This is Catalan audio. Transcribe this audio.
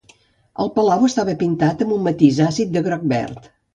El palau estava pintat amb un matís àcid de groc-verd.